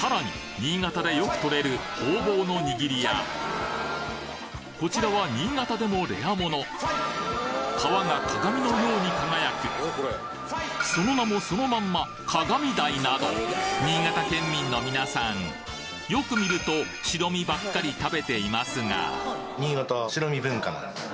新潟でよくとれるほうぼうの握りやこちらは新潟でもレアモノ皮が鏡のように輝くその名もそのまんま鏡鯛など新潟県民のみなさんよく見ると白身ばっかり食べていますが白身文化？